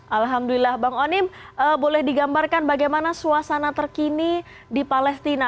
alhamdulillah bang onim boleh digambarkan bagaimana suasana terkini di palestina